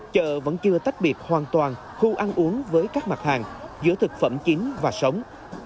chợ vẫn chưa tách biệt hoàn toàn khu ăn uống với các mặt hàng giữa thực phẩm chính và sống